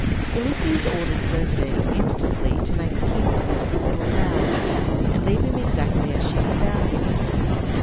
Ulysses ordered Circe instantly to make a king of this good little fowl, and leave him exactly as she found him.